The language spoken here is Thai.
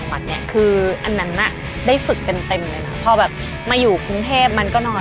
พอฉนัดเดี๋ยวได้รู้กันแน่นอนวันนี้ว่าจะคันหรือว่าชนะ